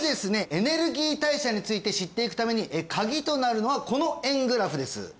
エネルギー代謝について知っていくためにカギとなるのはこの円グラフです